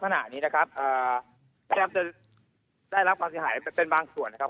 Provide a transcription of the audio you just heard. ขณะนี้นะครับแทบจะได้รับความเสียหายเป็นบางส่วนนะครับ